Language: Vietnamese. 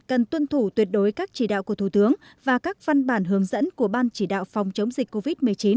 cần tuân thủ tuyệt đối các chỉ đạo của thủ tướng và các văn bản hướng dẫn của ban chỉ đạo phòng chống dịch covid một mươi chín